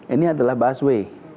ini adalah busway